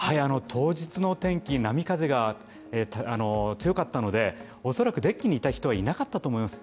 当日の天気、波風が強かったので恐らくデッキにいた人はいなかったと思います